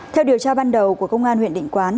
theo điều tra ban đầu của công an huyện định quán